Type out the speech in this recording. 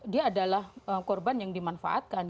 dia adalah korban yang dimanfaatkan